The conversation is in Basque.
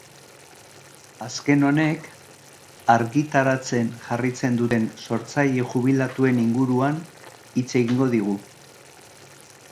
Azken honek, argitaratzen jarraitzen duten sortzaile jubilatuen inguruan hitz egingo digu.